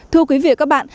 thưa quý vị và các bạn